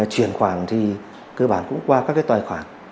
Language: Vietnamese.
chuyển khoản thì cơ bản cũng qua các tài khoản